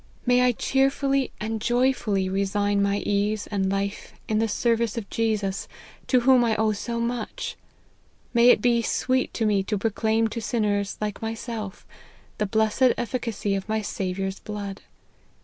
May I cheerfully and joyfully resign my ease and life in the service of Jesus, to whom I owe so much ! May it be sweet to me to proclaim to sinners like myself, the blessed efficacy of my Saviour's blood